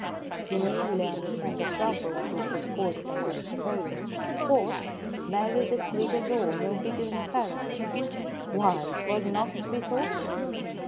You may easily understand the trouble which was caused by this proposal. What, marry this little doll, no bigger than a paroquet ! Why, it was not to be thought of